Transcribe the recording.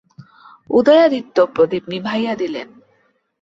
উদয়াদিত্য প্রদীপ নিভাইয়া দিলেন।